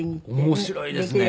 面白いですね。